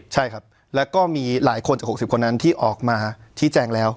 ใช่ครับแล้วก็มีหลายคนจาก๖๐คนนั้นที่ออกมาชี้แจงแล้ว